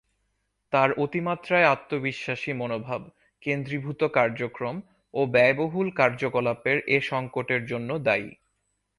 তার অতিমাত্রায় আত্মবিশ্বাসী মনোভাব, কেন্দ্রীভূত কার্যক্রম ও ব্যয়বহুল কার্যকলাপের এ সঙ্কটের জন্য দায়ী।